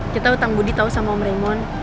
kita utang budi tau sama om raymond